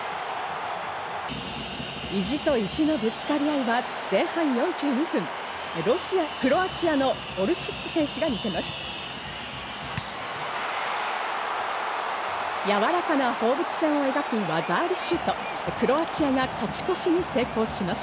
意地と意地のぶつかり合いは前半４２分、クロアチアのオルシッチ選手が見せます。